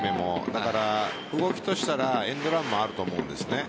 だから動きとしてはエンドランもあると思うんです。